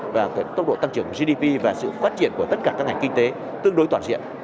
và tốc độ tăng trưởng gdp và sự phát triển của tất cả các ngành kinh tế tương đối toàn diện